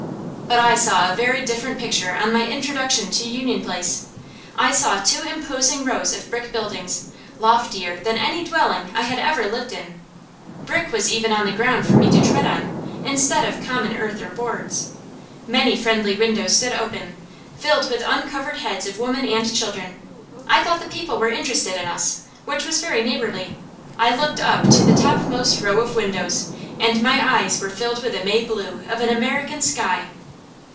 But I saw a very different picture on my introduction to Union Place. I saw two imposing rows of brick buildings, loftier than any dwelling I had ever lived in. Brick was even on the ground for me to tread on, instead of common earth or boards. Many friendly windows stood open, filled with uncovered heads of women and children. I thought the people were interested in us, which was very neighborly. I looked up to the topmost row of windows, and my eyes were filled with the May blue of an American sky!